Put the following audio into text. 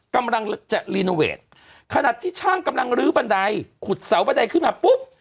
กำลังจะรีโนเวทขนาดที่ช่างกำลังลื้อบันไดขุดเสาบันไดขึ้นมาปุ๊บ